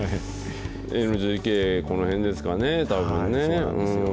ＮＧＫ、この辺ですかね、たぶんね。